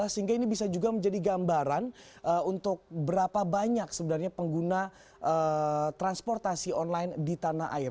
sehingga ini bisa juga menjadi gambaran untuk berapa banyak sebenarnya pengguna transportasi online di tanah air